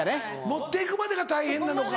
持って行くまでが大変なのか。